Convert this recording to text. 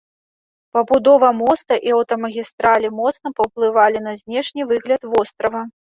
Пабудова моста і аўтамагістралі моцна паўплывалі на знешні выгляд вострава.